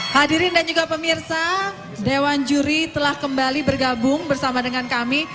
hadirin dan juga pemirsa dewan juri telah kembali bergabung bersama dengan kami